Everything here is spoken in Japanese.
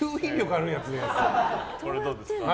これはどうですか。